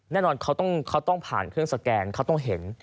แน่นอนเขาต้องผ่านเครื่องสแกนเขาต้องเห็น